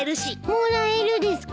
もらえるですか？